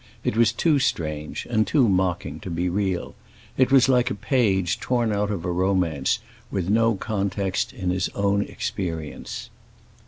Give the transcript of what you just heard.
It was too strange and too mocking to be real; it was like a page torn out of a romance, with no context in his own experience.